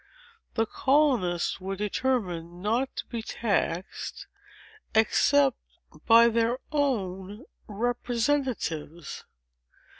The colonists were determined not to be taxed, except by their own representatives.